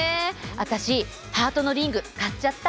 わたしハートのリング買っちゃった！